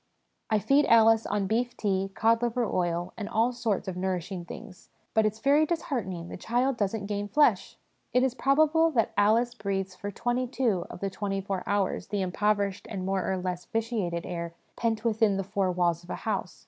' I feed Alice on beef tea, cod liver oil, and all sorts of nourishing things ; but it's very disheartening, the child doesn't gain flesh !' It is probable that Alice breathes for twenty two of the twenty four hours the impoverished and more or less vitiated air pent within the four walls of a house.